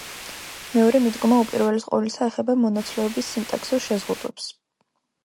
მეორე მიდგომა უპირველეს ყოვლისა ეხება მონაცვლეობის სინტაქსურ შეზღუდვებს.